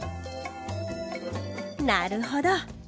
なるほど！